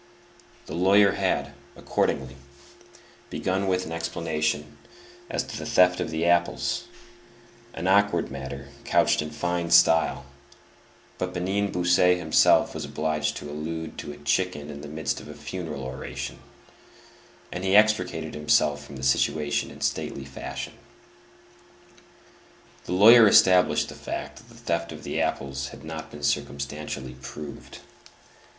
The lawyer had, accordingly, begun with an explanation as to the theft of the apples,—an awkward matter couched in fine style; but Bénigne Bossuet himself was obliged to allude to a chicken in the midst of a funeral oration, and he extricated himself from the situation in stately fashion. The lawyer established the fact that the theft of the apples had not been circumstantially proved.